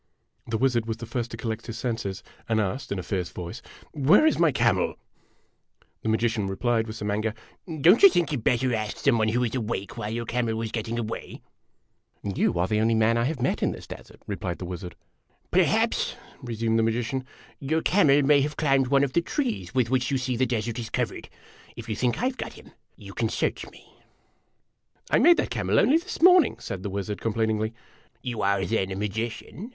The wizard was the first to collect his senses, and asked, in a fierce voice :" Where is my camel ?" The magician replied, with some anger: "Don't you think you 'd better ask some one who was awake while your camel was getting away ?" 3* 37 IMAGINOTIONS " You are the only man I have met in this desert," replied the wizard. " Perhaps," resumed the magician, " your camel may have climbed one of the trees with which you see the desert is covered ; if you think I 've got him, you can search me." THE INDOLENT WIZARD ON THE MAGIC CAMEL MEETS THE LAZY MAGICIAN IN THE DESERT. " I made that camel only this morning," said the wizard, com plainingly. " You are then a magician